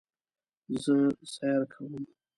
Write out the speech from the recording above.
زه سیر کوم